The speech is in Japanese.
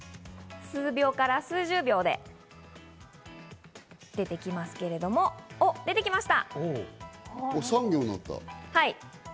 数秒から数十秒で出てきますけども、出てきました。